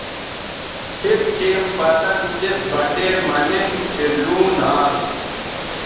پِھک ٹیم پتَن تِس بٹے مہ نِن چہء لوں نھال